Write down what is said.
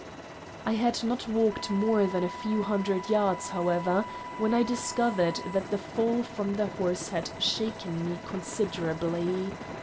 I had not walked more than a few hundred yards, however, when I discovered that the fall from the horse had shaken me considerably.